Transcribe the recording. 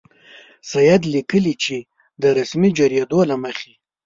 سید لیکي چې د رسمي جریدو له مخې.